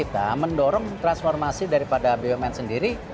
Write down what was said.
kita mendorong transformasi daripada bumn sendiri